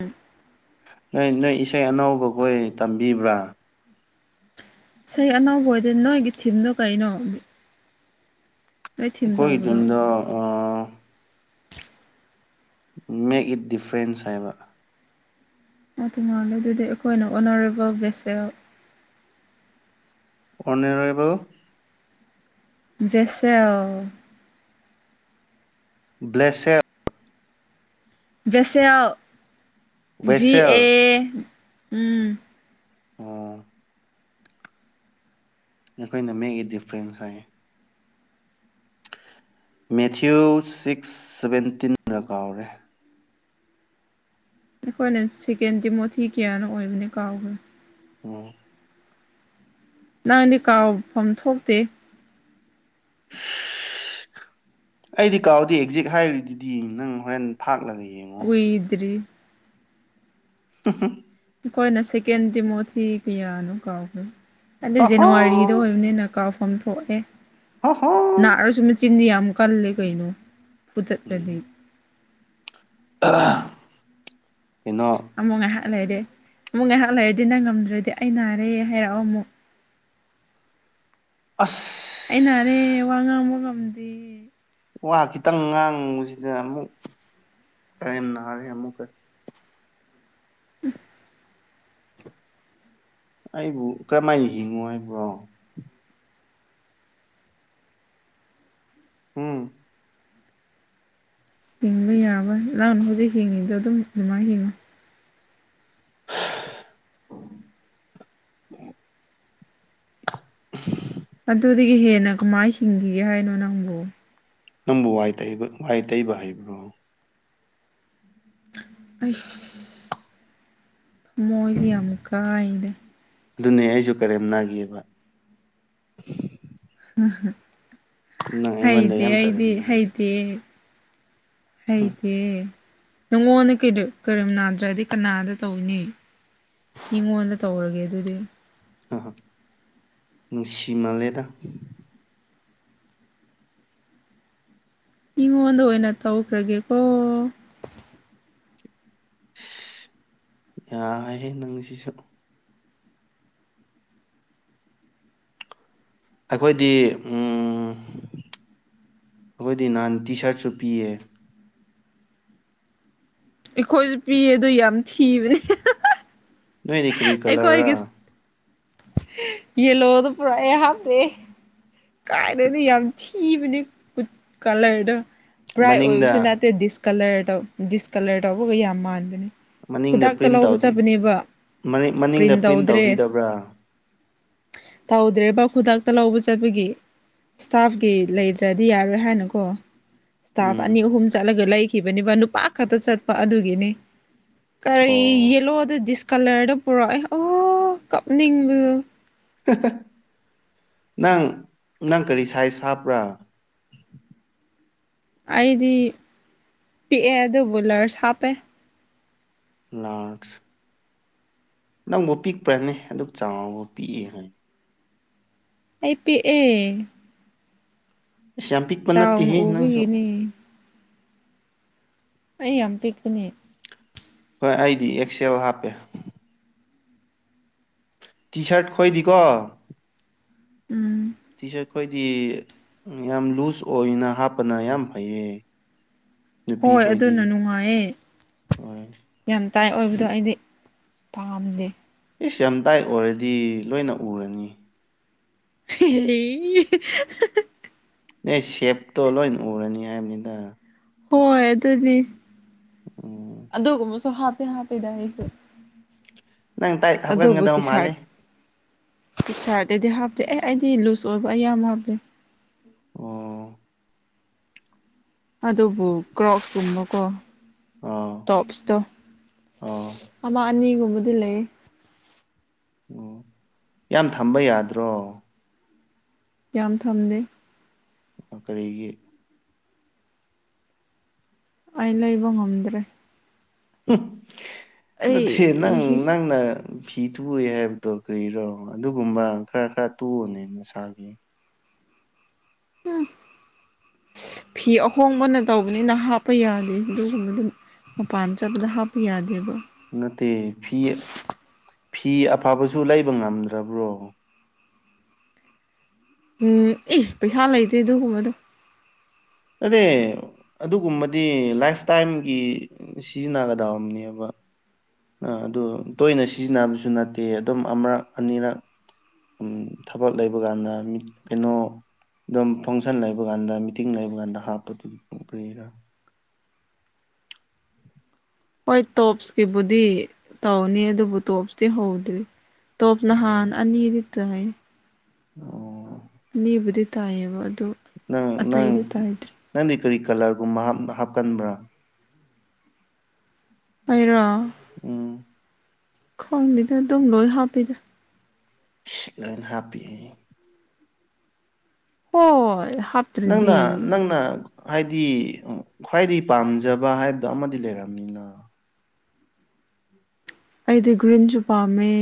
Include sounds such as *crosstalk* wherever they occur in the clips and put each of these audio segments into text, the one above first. ꯎꯝ ꯅꯣꯏ ꯅꯣꯏ ꯏꯁꯩ ꯑꯅꯧꯕꯈꯣꯏ ꯇꯝꯕꯤꯕ꯭ꯔꯥ ꯏꯁꯩ ꯑꯅꯧꯕ ꯑꯣꯏꯗꯤ ꯅꯣꯏꯒꯤ ꯊꯤꯝꯗꯣ ꯀꯩꯅꯣ ꯅꯣꯏ ꯊꯤꯝ ꯑꯩꯈꯣꯏꯒꯤ ꯇꯧꯕꯗꯣ ꯌꯨꯝꯗ ꯑ *unintelligible* *inaudible* ꯃꯦꯛ ꯏꯠ ꯗꯤꯐ꯭ꯔꯦꯟꯁ ꯍꯥꯏꯕ ꯑꯗꯨ ꯃꯥꯂꯦ ꯑꯗꯨꯗꯤ ꯑꯩꯈꯣꯏꯅ ꯑꯣꯅꯔꯦꯕꯜ ꯕꯦꯁ ꯑꯦꯜ ꯑꯣꯅꯔꯦꯕꯜ ꯕꯦꯁ ꯑꯦꯜ *unintelligible* ꯕ꯭ꯂꯦꯁꯦꯞ ꯚꯦꯁꯦꯜ ꯚꯤ ꯕꯦꯁꯦꯜ ꯑꯦ ꯎꯝ ꯑꯥ ꯑꯩꯈꯣꯏꯅ ꯃꯦꯛ ꯏꯠ ꯗꯤꯐ꯭ꯔꯦꯟꯁ ꯍꯥꯏꯌꯦ ꯃꯦꯊꯤꯌꯨ ꯁꯤꯛꯁ ꯁꯕꯦꯟꯇꯤꯟꯅ ꯀꯥꯎꯔꯦ ꯑꯩꯈꯣꯏꯅ ꯁꯦꯀꯦꯟ ꯇꯤꯃꯣꯊꯤ ꯀꯌꯥꯅꯣ ꯑꯣꯏꯕꯅꯦ ꯀꯥꯎꯈ꯭ꯔꯦ ꯎꯝ ꯅꯪꯗꯤ ꯀꯥꯎꯐꯝ ꯊꯣꯛꯇꯦ *inaudible* ꯑꯩꯗꯤ ꯀꯥꯎꯗꯦ ꯑꯦꯛꯖꯦꯛ ꯍꯥꯏꯔꯤꯗꯨꯗꯤ ꯅꯪ ꯍꯣꯔꯦꯟ ꯐꯥꯛꯂꯒ ꯌꯦꯡꯉꯨ ꯀꯨꯏꯗ꯭ꯔꯤ ꯑꯍꯝ ꯑꯈꯣꯏꯅ ꯁꯦꯀꯦꯟ ꯇꯤꯃꯣꯊꯤ ꯀꯌꯥꯅꯣ ꯀꯥꯎꯈ꯭ꯔꯦ ꯑꯗꯨ ꯍꯥꯍꯥ ꯖꯦꯅꯋꯥꯔꯤ ꯗ ꯑꯣꯏꯕꯅꯤꯅ ꯀꯥꯎꯐꯝ ꯊꯣꯛꯑꯦ ꯑꯍꯥ ꯑꯗꯨꯁꯨ ꯃꯆꯤꯟꯗꯤ ꯌꯥꯝ ꯀꯜꯂꯦ ꯀꯩꯅꯣ ꯐꯨꯊꯠꯂꯗꯤ ꯑꯥ ꯀꯩꯅꯣ ꯑꯃꯨꯛ ꯉꯥꯏꯍꯥꯛ ꯂꯩꯔꯗꯤ ꯑꯃꯨꯛ ꯉꯥꯏꯍꯥꯛ ꯂꯩꯔꯗꯤ ꯅꯪ ꯉꯝꯗ꯭ꯔꯗꯤ ꯑꯩ ꯅꯥꯔꯦ ꯍꯥꯏꯔꯛꯑꯣ ꯑꯃꯨꯛ ꯑꯁ ꯑꯩ ꯅꯥꯔꯦ ꯋꯥ ꯉꯥꯡꯕ ꯉꯝꯗꯦ ꯋꯥ ꯈꯤꯇꯪ ꯉꯥꯡꯕꯁꯤꯗ ꯑꯃꯨꯛ ꯀꯔꯦꯝꯅꯔꯦ ꯑꯃꯨꯛꯀ ꯎꯝ ꯑꯩꯕꯨ ꯀꯔꯝꯃꯥꯏꯅ ꯍꯤꯡꯉꯣ ꯍꯥꯏꯕ꯭ꯔꯣ ꯎꯝ ꯍꯤꯡꯕ ꯌꯥꯕ ꯅꯪ ꯍꯧꯖꯤꯛ ꯍꯤꯡꯉꯤꯗꯣ ꯑꯗꯨꯝ ꯑꯗꯨꯃꯥꯏꯅ ꯍꯤꯡꯉꯣ ꯑꯗꯨꯗꯒꯤ ꯍꯦꯟꯅ ꯀꯃꯥꯏ ꯍꯤꯡꯈꯤꯒꯦ ꯍꯥꯏꯅꯣ ꯅꯪꯕꯨ ꯅꯪꯕꯨ ꯋꯥꯏ ꯇꯧꯕ ꯋꯥꯏ ꯇꯩꯕ ꯍꯩꯕ꯭ꯔꯣ ꯑꯩꯁ ꯃꯣꯏꯗꯤ ꯌꯥꯝ ꯀꯥꯏꯗ ꯑꯗꯨꯅꯦ ꯑꯩꯁꯨ ꯀꯔꯦꯝꯅꯥꯒꯦꯕ ꯅꯪ ꯑꯩꯉꯣꯟꯗ ꯍꯩꯗꯦ ꯌꯥꯝ ꯀꯔꯦꯝ ꯑꯩꯗꯤ ꯅꯥꯏ ꯍꯩꯗꯦꯌꯦ ꯍꯝ ꯍꯩꯇꯦ ꯅꯪꯉꯣꯟꯗ ꯀꯔꯦꯝꯅꯥꯗ꯭ꯔꯗꯤ ꯀꯅꯥꯗ ꯇꯧꯅꯤ ꯃꯤꯉꯣꯟꯗ ꯇꯧꯔꯒꯦ ꯑꯗꯨꯗꯤ ꯑꯍꯥ ꯅꯨꯡꯁꯤ ꯃꯜꯂꯦꯗ ꯃꯤꯉꯣꯟꯗ ꯑꯣꯏꯅ ꯇꯧꯈ꯭ꯔꯒꯦꯀꯣ ꯌꯥꯏꯍꯦ ꯅꯪꯁꯤꯁꯨ ꯑꯩꯈꯣꯏꯗꯤ ꯎꯝ ꯑꯩꯈꯣꯏꯗꯤ ꯅꯍꯥꯟ ꯇꯤ ꯁꯥꯔꯠꯁꯨ ꯄꯤꯌꯦ ꯑꯩꯈꯣꯏꯁꯨ ꯄꯤꯌꯦ ꯑꯗꯨ ꯌꯥꯝ ꯊꯤꯕꯅꯦ ꯅꯣꯏꯗꯤ ꯀꯔꯤ ꯀꯂꯔꯔꯥ ꯑꯩꯈꯣꯏꯣꯒꯤꯁꯨ ꯌꯦꯂꯣꯗꯣ ꯄꯨꯔꯛꯑꯦ ꯍꯥꯞꯄꯦ ꯀꯥꯏꯗꯩꯅꯣ ꯌꯥꯝ ꯊꯤꯕꯅꯤ ꯀꯨꯠ ꯀꯂꯔꯗ ꯕ꯭ꯔꯥꯏꯠ ꯃꯅꯤꯡꯗ ꯑꯣꯏꯕꯁꯨ ꯅꯠꯇꯦ ꯗꯤꯁ ꯀꯂꯔꯇꯣ ꯗꯤꯁꯀꯂꯔ ꯇꯧꯕꯒ ꯌꯥꯝ ꯃꯥꯟꯕꯅꯦ ꯃꯅꯤꯡꯗ ꯈꯨꯗꯥꯛꯇ ꯄ꯭ꯔꯤꯟ ꯂꯧꯕ ꯇꯧꯗꯤ ꯆꯠꯄꯅꯦꯕ ꯃꯅꯤꯡ ꯄ꯭ꯔꯤꯟ ꯃꯅꯤꯡꯗ ꯇꯧꯗ꯭ꯔꯦꯁ ꯇꯧꯕꯤꯗꯕ꯭ꯔꯥ ꯇꯧꯗ꯭ꯔꯦꯕ ꯈꯨꯗꯛꯇ ꯂꯧꯕ ꯆꯠꯄꯒꯤ ꯏꯁꯇꯥꯐꯒꯤ ꯂꯩꯗ꯭ꯔꯗꯤ ꯌꯥꯔꯣꯏ ꯍꯥꯏꯅꯀꯣ ꯏꯁꯇꯥꯐ ꯎꯝ ꯑꯅꯤ ꯑꯍꯨꯝ ꯆꯠꯂꯒ ꯂꯩ ꯈꯤꯕꯅꯦꯕ ꯅꯨꯄꯥ ꯈꯛꯇ ꯆꯠꯄ ꯑꯗꯨꯒꯤꯅꯤ ꯀꯔꯤ ꯑꯣ ꯌꯦꯂꯣꯗ ꯗꯤꯁ ꯀꯂꯔꯗꯣ ꯄꯨꯔꯛꯑꯦ ꯑꯣ ꯀꯞꯅꯤꯡꯕꯗꯣ ꯍꯥꯍꯥ ꯅꯪ ꯅꯪ ꯀꯔꯤ ꯁꯥꯏꯖ ꯍꯥꯞꯄ꯭ꯔꯥ ꯑꯩꯗꯤ ꯄꯤꯛꯑꯦ ꯑꯗꯨꯕꯨ ꯂꯥꯔ꯭ꯁ ꯍꯥꯞꯄꯦ ꯂꯥꯔꯛꯁ ꯅꯪꯕꯨ ꯄꯤꯛꯄ꯭ꯔꯅꯦ ꯑꯗꯨꯛ ꯆꯥꯎꯔꯕꯨ ꯄꯤꯛꯏ ꯍꯥꯏ ꯑꯩꯥ ꯄꯤꯛꯑꯦ ꯑꯁ ꯌꯥꯝ ꯄꯤꯛꯄ ꯆꯥꯎꯅ ꯅꯠꯇꯦꯍꯦ ꯅꯪꯁꯨ ꯎꯕꯤꯒꯤꯅꯤ ꯑꯩ ꯌꯥꯝ ꯄꯤꯛꯄꯅꯦ ꯍꯣꯏ ꯑꯩꯗꯤ ꯑꯦꯛꯁꯦꯜ ꯍꯥꯞꯄꯦ ꯇꯤ ꯁꯥꯥꯔꯠ ꯈꯣꯏꯗꯤꯀꯣ ꯎꯝ ꯇꯤ ꯁꯥꯔꯠ ꯈꯣꯏꯗꯤ ꯌꯥꯝ ꯂꯨꯖ ꯑꯣꯏꯅ ꯍꯥꯞꯄꯅ ꯌꯥꯝ ꯐꯩꯌꯦ ꯍꯣꯏ ꯅꯨꯄꯤꯈꯣꯏꯗꯤ ꯑꯗꯨꯅ ꯅꯨꯡꯉꯥꯏꯌꯦ ꯍꯣꯏ ꯌꯥꯝ ꯇꯥꯏ ꯑꯣꯏꯕꯗꯣ ꯑꯩꯗꯤ ꯄꯥꯝꯗꯦ ꯏꯁ ꯌꯥꯝ ꯇꯥꯏ ꯑꯣꯏꯔꯗꯤ ꯂꯣꯏꯅ ꯎꯔꯅꯤ *unintelligible* ꯅꯩ ꯁꯦꯞꯇꯣ ꯂꯣꯏ ꯎꯔꯅꯤ ꯍꯥꯏꯕꯅꯤꯗ ꯍꯣꯏ ꯑꯗꯨꯅꯤ ꯎꯝ ꯑꯗꯨꯒꯨꯝꯕꯁꯨ ꯍꯥꯞꯇꯤ ꯍꯥꯞꯄꯤꯗ ꯑꯩꯁꯨ ꯅꯪ ꯇꯥꯏꯠ ꯑꯗꯨꯕꯨ ꯇꯤ ꯁꯥꯔꯠ ꯇꯤ ꯁꯥꯔꯠꯇꯥꯗꯤ ꯍꯥꯞꯇꯦ ꯑꯦ ꯑꯩꯗꯤ ꯂꯨꯁ ꯑꯣꯏꯕ ꯑꯌꯥꯝꯕ ꯍꯥꯞꯄꯦ ꯑꯣ ꯑꯗꯨꯕꯨ ꯀ꯭ꯔꯣꯛꯁꯀꯨꯝꯕꯀꯣ ꯑꯣ ꯇꯣꯞꯁꯇꯣ ꯑꯣ ꯑꯃ ꯑꯅꯤꯒꯨꯝꯕꯗꯤ ꯂꯩ ꯑꯣ ꯌꯥꯝ ꯊꯝꯕ ꯌꯥꯗ꯭ꯔꯣ ꯌꯥꯝ ꯊꯝꯗꯦ ꯑꯥ ꯀꯔꯤꯒꯤ ꯑꯩ ꯂꯩꯕ ꯉꯝꯗ꯭ꯔꯦ ꯎꯝ ꯅꯠꯇꯦ ꯅꯪ ꯑꯩ ꯅꯪꯅ ꯐꯤ ꯇꯨꯋꯦ ꯍꯥꯏꯕꯗꯣ ꯀꯔꯤꯔꯣ ꯑꯗꯨꯒꯨꯝꯕ ꯈꯔ ꯈꯔ ꯇꯨꯋꯣꯅꯦ ꯅꯁꯥꯒꯤ ꯍꯝ ꯐꯤ ꯑꯍꯣꯡꯕꯅ ꯇꯧꯕꯅꯤꯅ ꯍꯥꯞꯄ ꯌꯥꯗꯦ ꯑꯗꯨꯒꯨꯝꯕ ꯗꯨꯝ ꯃꯄꯥꯟ ꯆꯠꯄꯗ ꯍꯥꯞꯄꯨ ꯌꯥꯗꯦꯕ ꯅꯠꯇꯦ ꯐꯤ ꯐꯤ ꯑꯐꯕꯁꯨ ꯂꯩꯕ ꯉꯝꯗ꯭ꯔꯥꯕ꯭ꯔꯣ ꯎꯝ ꯑꯦ ꯄꯩꯁꯥ ꯂꯩꯇꯦ ꯑꯗꯨꯒꯨꯝꯕꯗꯣ ꯑꯗꯦ ꯑꯗꯨꯒꯨꯝꯕꯗꯤ ꯂꯥꯏꯐ ꯇꯥꯏꯝꯒꯤ ꯁꯤꯖꯤꯟꯅꯒꯗꯧꯅꯦꯕ ꯑꯥ ꯑꯗꯨ ꯇꯣꯏꯅ ꯁꯤꯖꯤꯟꯅꯕꯁꯨ ꯅꯠꯇꯦ ꯑꯗꯨꯝ ꯑꯃꯔꯛ ꯑꯅꯤꯔꯛ ꯎꯝ ꯊꯕꯛ ꯂꯩꯕ ꯀꯥꯟꯗ ꯃꯤꯠ ꯀꯩꯅꯣ ꯗꯨꯝ ꯐꯪꯁꯟ ꯂꯩꯕ ꯀꯥꯟꯗ ꯃꯤꯇꯤꯡ ꯂꯩꯕ ꯀꯥꯟꯗ ꯍꯥꯞꯄꯗꯨꯕꯨ ꯀꯔꯤꯔꯥ ꯍꯣꯏ ꯇꯣꯞꯁꯀꯤꯕꯨꯗꯤ ꯇꯧꯅꯤ ꯑꯗꯨꯕꯨ ꯇꯣꯞꯁꯇꯤ ꯍꯧꯗ꯭ꯔꯤ ꯇꯣꯞ ꯅꯍꯥꯟ ꯑꯣ ꯑꯅꯤꯗꯤ ꯇꯥꯏ ꯑꯣ ꯅꯤꯕꯨꯗꯤ ꯇꯥꯏꯌꯦꯕ ꯑꯗꯨ ꯅꯪ ꯅꯪ ꯑꯇꯩꯗꯤ ꯇꯥꯏꯗ꯭ꯔꯤ ꯅꯪꯗꯤ ꯀꯔꯤ ꯀꯂꯔꯒꯨꯝꯕ ꯍꯥꯞ ꯍꯥꯞꯀꯟꯕ꯭ꯔꯥ ꯑꯩꯔꯣ ꯎꯝ ꯈꯪꯗꯦꯗ ꯗꯨꯝ ꯂꯣꯏ ꯍꯥꯞꯄꯤꯗ *unintelligible* ꯂꯥꯟ ꯍꯥꯞꯄꯦꯌꯦ ꯍꯣꯏ ꯍꯥꯞ ꯅꯪꯅ ꯅꯪꯅ ꯍꯥꯏꯗꯤ ꯎꯝ ꯈ꯭ꯋꯥꯏꯗꯥꯒꯤ ꯄꯥꯝꯖꯕ ꯍꯥꯏꯕꯗꯣ ꯑꯃꯗꯤ ꯂꯩꯔꯝꯅꯤꯅꯥ ꯑꯩꯗꯤ ꯒ꯭ꯔꯤꯟꯖꯨ ꯄꯥꯝꯃꯦ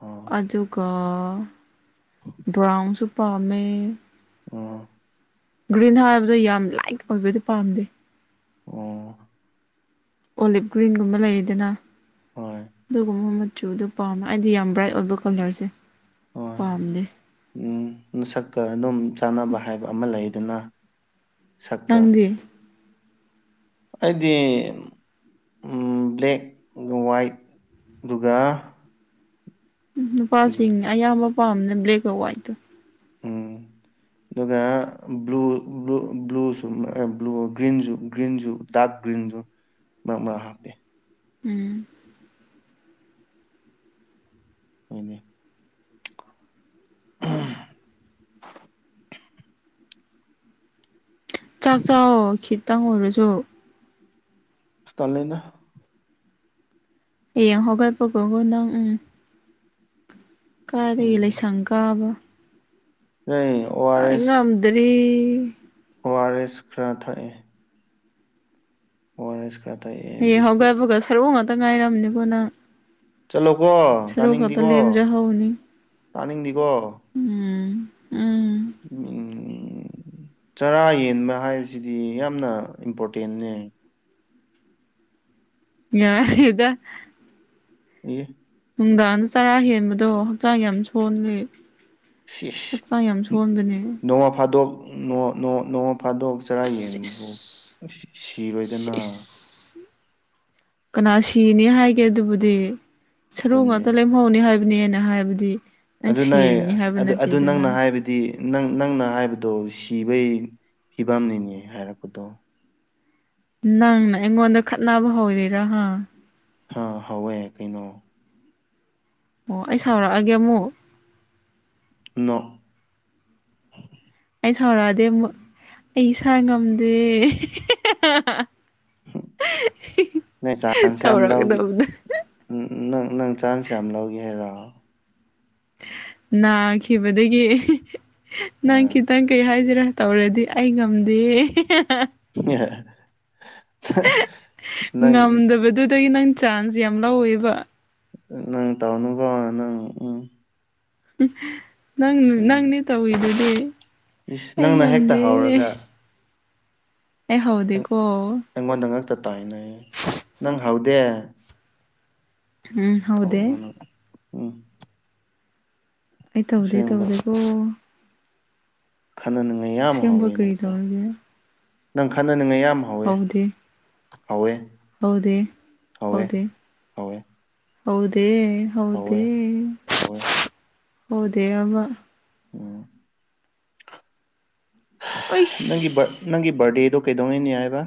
ꯑꯣ ꯑꯗꯨꯒꯥ ꯕ꯭ꯔꯥꯎꯟꯁꯨ ꯄꯥꯝꯃꯦ ꯑꯣ ꯒ꯭ꯔꯤꯟ ꯍꯥꯏꯕꯗꯣ ꯌꯥꯝ ꯂꯥꯏꯠ ꯑꯣꯏꯕꯗꯤ ꯄꯥꯝꯗꯦ ꯑꯣ ꯑꯣꯂꯤꯞ ꯒ꯭ꯔꯤꯟꯒꯨꯝꯕ ꯂꯩꯌꯦꯗꯅꯥ ꯍꯣꯏ ꯗꯨꯒꯨꯝꯕ ꯃꯆꯨꯗꯣ ꯄꯥꯝꯃꯦ ꯑꯩꯗꯤ ꯌꯥꯝ ꯕ꯭ꯔꯥꯏꯠ ꯑꯣꯏꯕ ꯀꯂꯔꯁꯦ ꯍꯣꯏ ꯄꯥꯝꯗꯦ ꯎꯝ ꯅꯁꯛꯀ ꯑꯗꯨꯝ ꯆꯥꯅꯕ ꯍꯥꯏꯕ ꯑꯃ ꯂꯩꯗꯅꯥ ꯅꯪꯗꯤ ꯑꯩꯗꯤ ꯎꯝ ꯕ꯭ꯂꯦꯛ ꯋꯥꯏꯠ ꯗꯨꯒ ꯎꯝ ꯅꯨꯄꯥꯁꯤꯡ ꯑꯌꯥꯝꯕ ꯄꯥꯝꯅ ꯕ꯭ꯂꯦꯛꯀ ꯋꯥꯏꯠꯀ ꯗꯨꯒ ꯕ꯭ꯂꯨ ꯕ꯭ꯂꯨ ꯕ꯭ꯂꯨꯁꯨ ꯑ ꯕ꯭ꯂꯨ ꯒ꯭ꯔꯤꯟꯖꯨ ꯒ꯭ꯔꯤꯟꯖꯨ ꯗꯥꯛ ꯒ꯭ꯔꯤꯟꯖꯨ ꯃꯔꯛ ꯃꯔꯛ ꯍꯥꯞꯄꯦ ꯎꯝ ꯍꯣꯏꯅꯦ *unintelligible* ꯆꯥꯛ ꯆꯥꯎ ꯈꯤꯇꯪ ꯑꯣꯏꯔꯖꯨ ꯇꯜꯂꯦꯅ ꯑꯦꯌꯦꯡ ꯍꯧꯒꯠꯄꯒꯣꯒꯣ ꯅꯪ ꯎꯝ ꯀꯥꯏꯗꯒꯤ ꯎꯝ ꯂꯩꯁꯪ ꯀꯥꯕ *unintelligible* ꯑꯥꯏ ꯑꯦꯁ ꯉꯝꯗꯔꯤ ꯑꯣ ꯑꯥ ꯔꯦꯁ ꯈꯔ ꯊꯑꯦ ꯑꯣ ꯑꯥ ꯔꯦꯁ ꯈꯔ ꯊꯛꯑꯦ ꯍꯌꯦꯡ ꯕꯤꯁꯀꯨꯠ ꯍꯧꯒꯠꯄꯒ ꯁꯔꯨ ꯉꯥꯇ ꯉꯥꯏꯔꯝꯅꯤꯒꯣ ꯅꯪ ꯆꯠꯂꯣꯒꯣ ꯁꯔꯨ ꯈꯛꯇ ꯇꯥꯅꯤꯡꯗꯤꯒꯣ ꯂꯦꯝꯖꯍꯧꯅꯤ ꯇꯥꯅꯤꯡꯗꯤꯒꯣ ꯎꯝ ꯎꯝ *unintelligible* ꯆꯔꯥ ꯌꯦꯟꯕ ꯍꯥꯏꯕꯖꯤꯗꯤ ꯌꯥꯝꯅ ꯏꯝꯄꯣꯔꯇꯦꯟꯅꯦ ꯌꯥꯔꯦꯗ ꯑꯦ ꯅꯨꯡꯗꯥꯡꯗ ꯆꯔꯥ ꯍꯦꯟꯕꯗꯣ ꯍꯛꯆꯥꯡ ꯌꯥꯝ ꯁꯣꯟꯂꯦ ꯁꯤ ꯏꯁ ꯅꯣꯡꯃ ꯐꯥꯗꯣꯛ ꯅꯣ ꯅꯣ ꯅꯣꯃ ꯐꯥꯗꯣꯛ ꯆꯔꯥ ꯌꯦꯟꯕꯕꯨ ꯏꯁ ꯑꯁ ꯁꯤꯔꯣꯏꯗꯅ ꯀꯅꯥ ꯁꯤꯅꯤ ꯍꯥꯏꯒꯦ ꯑꯗꯨꯕꯨꯗꯤ ꯁꯔꯨ ꯑꯗꯨꯅꯦ ꯉꯥꯇ ꯂꯦꯝ ꯃꯧꯅꯤ ꯍꯥꯏꯕꯅꯦ ꯑꯩꯅ ꯍꯥꯏꯕꯗꯤ ꯅꯪ ꯑꯗꯨ ꯅꯩ ꯁꯤꯔꯅꯤ ꯍꯥꯏꯕ ꯑꯗꯨ ꯑꯗꯨ ꯅꯠꯇꯦꯗꯅ ꯅꯪꯅ ꯍꯥꯏꯕ ꯗꯤ ꯅꯪ ꯅꯪꯅ ꯍꯥꯏꯕꯗꯣ ꯁꯤꯕꯩ ꯐꯤꯕꯝꯅꯤꯅꯦ ꯍꯥꯏꯔꯛꯄꯗꯣ ꯅꯪꯅ ꯑꯩꯉꯣꯟꯗ ꯈꯠꯅꯕ ꯍꯧꯔꯤꯔꯥ ꯍꯥ ꯍꯥ ꯍꯧꯋꯦ ꯀꯩꯅꯣ ꯑꯣ ꯑꯩ ꯁꯥꯎꯔꯛꯑꯒꯦ ꯑꯃꯨꯛ ꯅꯣ ꯑꯩ ꯁꯥꯎꯔꯑꯗꯤ ꯑꯃꯨꯛ ꯑꯩ ꯏꯁꯥ ꯉꯝꯗꯦ ꯇꯧꯔꯒꯗꯧꯕꯅꯦ ꯎꯝ ꯎꯝ ꯅꯪ ꯅꯪ ꯆꯥꯟꯁ ꯌꯥꯝ ꯂꯧꯒꯦ ꯍꯥꯢꯔꯣ ꯅꯥꯈꯤꯕꯗꯒꯤ ꯅꯪ ꯑꯥ ꯈꯤꯇꯪ ꯀꯩ ꯍꯥꯢꯖꯤꯔ ꯇꯧꯔꯗꯤ ꯑꯩ ꯉꯝꯗꯦ *unintelligible* ꯅꯪ ꯉꯝꯗꯕꯗꯨꯗꯩ ꯅꯪ ꯆꯥꯟꯁ ꯌꯥꯝ ꯂꯧꯋꯦꯕ ꯅꯪ ꯇꯥꯎꯅꯨꯒꯣ ꯅꯪ ꯎꯝ ꯅꯪ ꯑꯁꯦꯡꯕ ꯅꯪꯅꯦ ꯇꯧꯋꯤꯗꯨꯗꯤ ꯏꯁ ꯑꯩ ꯅꯪꯅ ꯍꯦꯛꯇ ꯉꯝꯗꯦ ꯍꯧꯔꯒ ꯑꯩ ꯍꯧꯗꯦꯀꯣ ꯑꯩꯉꯣꯟꯗ ꯉꯛꯇ ꯇꯥꯢꯅꯩ ꯅꯪ ꯍꯧꯗꯦ ꯎꯝ ꯍꯧꯗꯦ *unintelligible* ꯎꯝ ꯑꯩ ꯇꯧꯗꯦ ꯑꯁꯦꯡꯕ ꯇꯧꯗꯦꯀꯣ ꯈꯟꯅꯅꯤꯡꯉꯥꯢ ꯌꯥꯝ ꯑꯁꯦꯡꯕ ꯍꯧꯋꯦ ꯀꯔꯤ ꯅꯪꯗꯣ ꯇꯧꯔꯒꯦ ꯅꯪ ꯈꯟꯅꯅꯤꯡꯉꯥꯢ ꯌꯥꯝ ꯍꯧꯋꯦ ꯍꯧꯗꯦ ꯍꯧꯋꯦ ꯍꯧꯗꯦ ꯍꯧꯋꯦ ꯍꯧꯗꯦ ꯍꯧꯋꯦ ꯍꯧꯗꯦ ꯍꯧꯗꯦ ꯍꯧꯋꯦ ꯍꯧꯋꯦ ꯍꯧꯗꯦ ꯍꯥꯢꯕ ꯎꯝ ꯅꯪꯒꯤ ꯕꯔ ꯑꯩꯁ ꯅꯪꯒꯤ ꯕꯥꯔꯗꯦꯗꯣ ꯀꯩꯗꯧꯉꯩꯅꯦ ꯍꯥꯢꯕ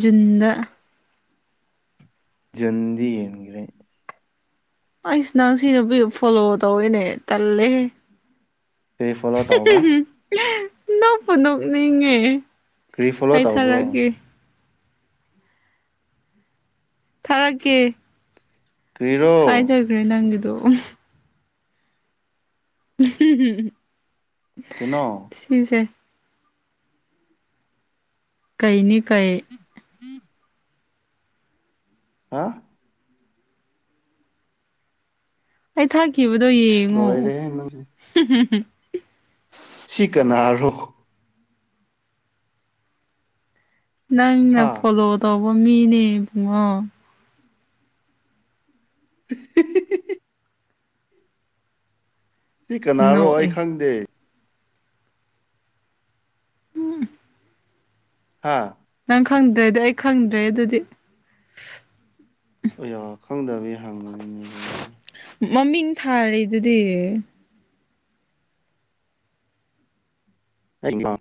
ꯖꯨꯟ ꯗ ꯖꯨꯟꯗꯤ ꯍꯦꯟꯒ꯭ꯔꯦ ꯑꯩꯁ ꯅꯪ ꯅꯨꯄꯤꯕꯨ ꯐꯣꯂꯣ ꯇꯧꯋꯦꯅꯦ ꯇꯜꯂꯦꯍꯦ ꯀꯔꯤ ꯐꯣꯂꯣ ꯇꯧꯕ ꯅꯣꯛꯄꯨ ꯅꯣꯛꯅꯤꯡꯉꯦ ꯀꯔꯤ ꯐꯣꯂꯣ ꯑꯩ ꯇꯧꯕ꯭ꯔꯣ ꯊꯥꯔꯛꯀꯦ ꯊꯥꯔꯛꯀꯦ ꯀꯥꯢ ꯀꯔꯤꯔꯣ ꯆꯠꯈ꯭ꯔꯦ ꯅꯪꯒꯤꯗꯣ ꯑ *unintelligible* ꯀꯩꯅꯣ ꯁꯤꯖꯦ ꯀꯩꯅꯤ ꯀꯩ *inaudible* ꯍꯥ ꯑꯩ ꯊꯥꯈꯤꯕꯗꯣ ꯏꯁ ꯌꯦꯡꯉꯣ ꯂꯣꯏꯔꯦꯍꯦ ꯅꯪꯁꯦ ꯁꯤ ꯀꯅꯥꯔꯣ ꯅꯪꯅ ꯍꯥ ꯐꯣꯂꯣ ꯇꯧꯕ ꯃꯤꯅꯦ ꯕꯨꯡꯉꯣ *unintelligible* ꯁꯤ ꯀꯅꯥꯔꯣ ꯑꯩ ꯅꯣꯛꯑꯦ ꯈꯪꯗꯦ ꯍꯥꯥ ꯅꯪ ꯈꯪꯗ꯭ꯔꯦꯗꯤ ꯑꯩ ꯈꯪꯗ꯭ꯔꯦ ꯑꯗꯨꯗꯤ ꯑꯌꯥ ꯈꯪꯗꯕꯒꯤ ꯍꯪꯕꯅꯤꯅꯦꯍꯦ ꯃꯃꯤꯡ ꯊꯥꯔꯤꯗꯨꯗꯤ ꯑꯩꯃ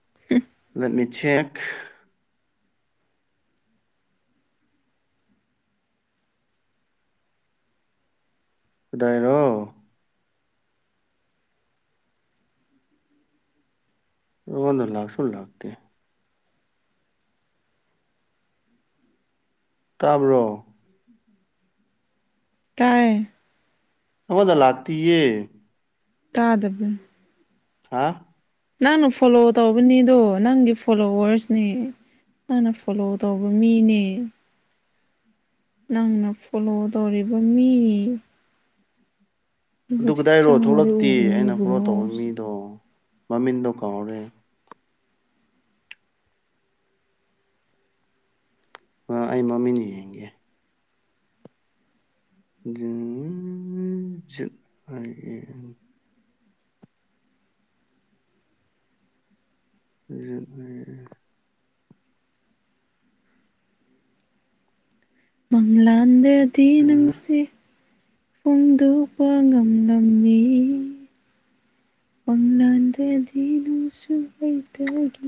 *unintelligible* ꯅꯨꯃꯤꯠꯁꯦ ꯀꯗꯥꯏꯔꯣ ꯑꯩꯉꯣꯟꯗ ꯂꯥꯛꯁꯨ ꯂꯥꯛꯇꯦ ꯇꯥꯕ꯭ꯔꯣ ꯇꯥꯏꯌꯦ ꯑꯉꯣꯟꯗ ꯂꯥꯛꯇꯤꯌꯦ ꯇꯥꯗꯕ ꯍꯥ ꯅꯪꯅ ꯐꯣꯂꯣ ꯇꯧꯕꯅꯦꯗꯣ ꯅꯪꯒꯤ ꯐꯣꯂꯣꯋꯔꯁꯅꯦ ꯅꯪꯅ ꯐꯣꯂꯣ ꯇꯧꯕ ꯃꯤꯅꯦ ꯅꯪꯅ ꯐꯣꯂꯣ ꯇꯧꯔꯤꯕ ꯃꯤ ꯑꯗꯨ ꯍꯧꯖꯤꯛ ꯀꯗꯥꯏꯔꯣ ꯆꯪꯕꯗ ꯊꯣꯛꯂꯛꯇꯦ ꯎꯕꯅꯦ ꯑꯩꯅ ꯐꯣꯂꯣ ꯏꯕꯨꯡꯉꯣ ꯇꯧꯕ ꯃꯤꯗꯣ ꯃꯃꯤꯟꯗꯣ ꯀꯥꯎꯔꯦ ꯑꯥ ꯑꯩ ꯃꯃꯤꯡ ꯌꯦꯡꯒꯦ *unintelligible* *unintelligible* ꯃꯪꯂꯥꯟꯗꯗꯤ ꯅꯪꯁꯤ ꯐꯣꯡꯗꯣꯛꯄ ꯉꯝꯂꯝꯃꯤ ꯃꯥꯡꯂꯥꯟꯗꯗꯤ ꯅꯪꯁꯨ ꯑꯩꯇꯥꯒꯤ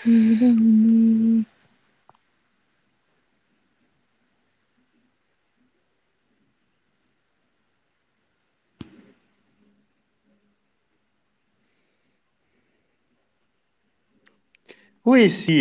*unintelligible* ꯍꯨ ꯏꯁ ꯁꯤ